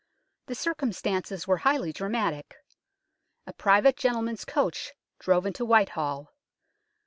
The circumstances were highly dramatic. A private gentleman's coach drove into Whitehall.